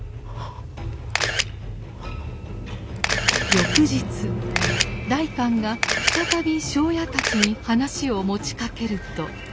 翌日代官が再び庄屋たちに話を持ちかけると。